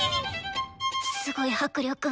すごい迫力。